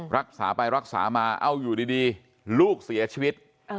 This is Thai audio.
รักษาไปรักษามาเอาอยู่ดีลูกเสียชีวิต